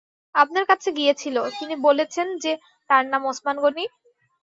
আপনার কাছে গিয়েছিল, তিনি বলেছেন যে তাঁর নাম ওসমান গনি?